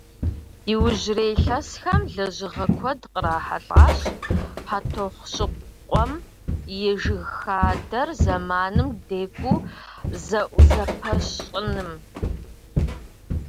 Иужьрей илъэсхэм лэжьыгъэ куэд кърахьэлӏащ Хьэтӏохъущокъуэм и жыг хадэр зэманым декӏуу зэӏузэпэщ щӏыным.